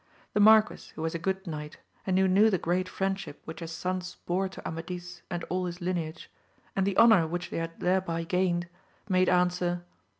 The marquis who was a good knight, and who knew the great friend ship which his sons bore to Amadis and all his lineage, and the honour which they had thereby gained, made answer.